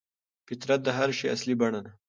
فطرت د هر شي اصلي بڼه ده.